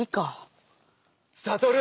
サトル！